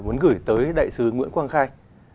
muốn gửi tới đại sứ nguyễn quang khai